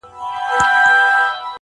له ښار او کلي وتلی دم دی!.